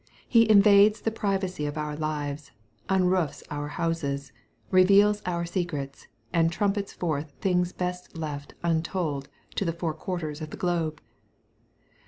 He invades the privacy of our lives, unroofs our houses, reveals our secrets, and trumpets forth things best left untold to the four quarters of the globe.